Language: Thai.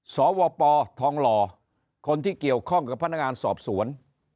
สวปทองหล่อคนที่เกี่ยวข้องกับพนักงานสอบสวน